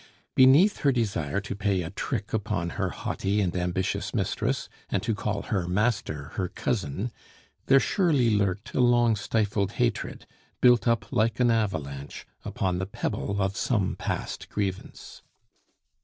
Beneath her desire to pay a trick upon her haughty and ambitious mistress, and to call her master her cousin, there surely lurked a long stifled hatred, built up like an avalanche, upon the pebble of some past grievance.